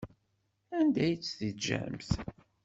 Anda ay tt-teǧǧamt?